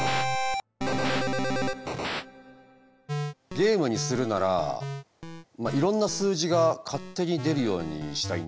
ゲームにするならいろんな数字が勝手に出るようにしたいんだけども。